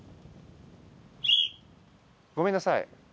ごめんなさい。